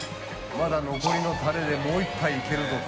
まだ残りのタレでもう１杯いけるぞと。